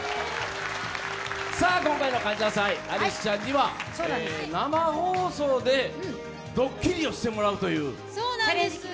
今回の「感謝祭」、アリスちゃんには生放送でドッキリをしてもらうという。